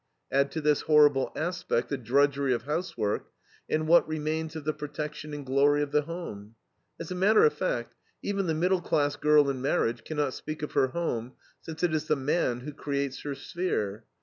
Add to this horrible aspect the drudgery of housework, and what remains of the protection and glory of the home? As a matter of fact, even the middle class girl in marriage can not speak of her home, since it is the man who creates her sphere.